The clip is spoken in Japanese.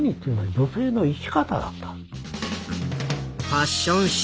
ファッション史